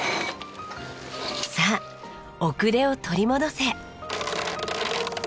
さあ遅れを取り戻せ！